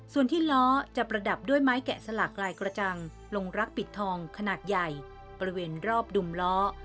ส่วนที่ล้อจะประดับด้วยไม้แกะสลักลายกระจังลงรักปิดทองขนาดใหญ่บริเวณรอบดุมล้อ